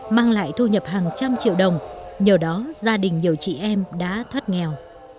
mang lại thu nhập hàng trăm triệu đồng nhờ đó gia đình nhiều chị em đã thoát nghèo